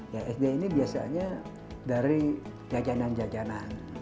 ya sd ini biasanya dari jajanan jajanan